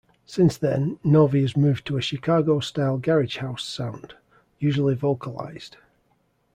Since then, Novy has moved to a Chicago-style garage house sound, usually vocalized.